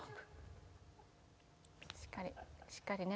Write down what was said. しっかりしっかりね。